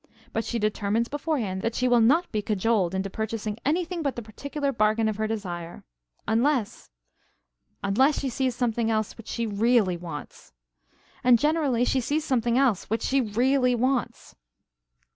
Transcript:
But she determines beforehand that she will not be cajoled into purchasing anything but the particular bargain of her desire, unless unless she sees something else which she really wants. And generally, she sees something else which she really wants.